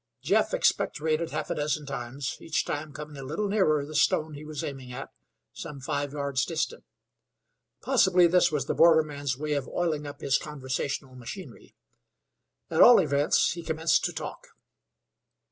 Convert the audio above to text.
Jeff expectorated half a dozen times, each time coming a little nearer the stone he was aiming at, some five yards distant. Possibly this was the borderman's way of oiling up his conversational machinery. At all events, he commenced to talk.